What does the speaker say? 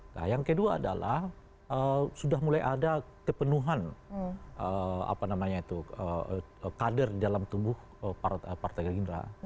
nah yang kedua adalah sudah mulai ada kepenuhan kader di dalam tubuh partai gerindra